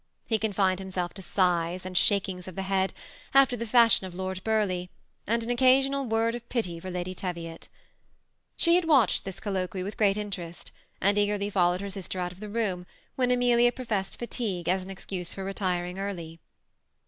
He oonlSned himself to sighs and shakings of the head, after the fashion of Lord Burleigh, and an occasional word of pity for Lady Teviot. She had watched this colloquy with great interest, and eagerly followed her sister out of the room when 13 290 THE SEm ATTACHED COUPLE. Amelia professed fktigne as an excuse for retiring early.